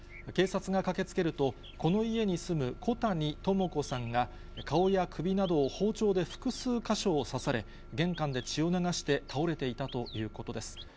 警察が駆けつけると、この家に住む小谷朋子さんが、顔や首などを包丁で複数箇所を刺され、玄関で血を流して倒れていたということです。